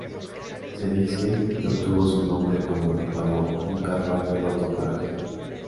Se dice que obtuvo su nombre cuando reparó un carruaje roto para su hijo.